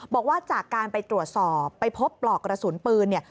บอกว่าจากการไปตรวจสอบไปพบปลอกกระสุนปืนเนี่ย